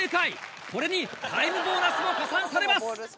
これにタイムボーナスも加算されます。